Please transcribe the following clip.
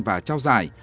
và trao giải